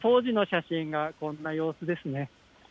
当時の写真がこんな様子ですね。